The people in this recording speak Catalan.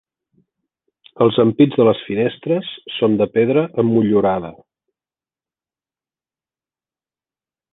Els ampits de les finestres són de pedra emmotllurada.